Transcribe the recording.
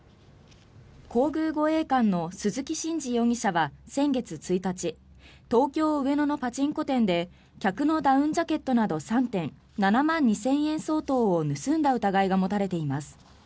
皇宮護衛官の鈴木真治容疑者は先月１日東京・上野のパチンコ店で客のダウンジャケットなど３点７万２０００円相当を盗んだ疑いが持たれています。